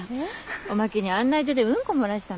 おまけに案内所でうんこ漏らしたのよ。